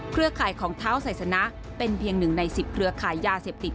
ข่ายของเท้าไซสนะเป็นเพียง๑ใน๑๐เครือขายยาเสพติด